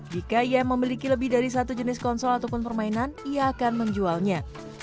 jika ia memiliki lebih dari satu jenis konsol ataupun permainan ia akan menjualnya